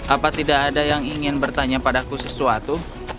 apa tidak ada yang ingin bertanya padaku sesuatu